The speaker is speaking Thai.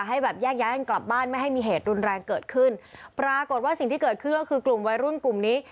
ให้แบบแยกย้ายกันกลับบ้านไม่ให้มีเหตุรุนแรงเกิดขึ้นปรากฏว่าสิ่งที่เกิดขึ้นก็คือกลุ่มวัยรุ่นกลุ่มนี้